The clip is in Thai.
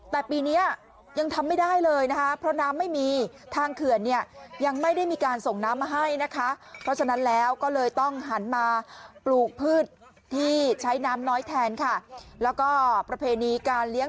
แต่ปีนี้ยังทำไม่ได้เลยนะคะเพราะน้ำไม่มี